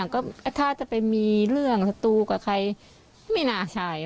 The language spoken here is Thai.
ก็ถ้าจะไปมีเรื่องศัตรูกับใครไม่น่าใช่